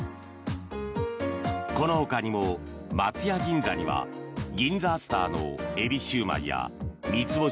このほかにも松屋銀座には銀座スターの海老シューマイや３つ星